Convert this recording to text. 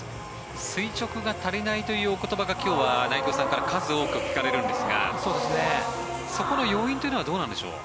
垂直が足りないというお言葉が今日は内藤さんから数多く聞かれるんですがそこの要因というのはどうなんでしょう？